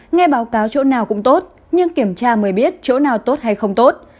nghe báo cáo chỗ nào cũng tốt nhưng kiểm tra mới biết chỗ nào tốt hay không tốt